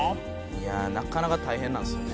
「いやなかなか大変なんですよね」